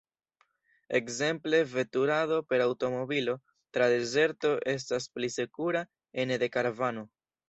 Ekzemple veturado per aŭtomobilo tra dezerto estas pli sekura ene de karavano.